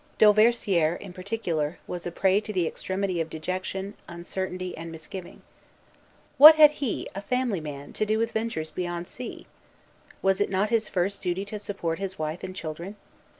Dauversière, in particular, was a prey to the extremity of dejection, uncertainty, and misgiving. What had he, a family man, to do with ventures beyond sea? Was it not his first duty to support his wife and children?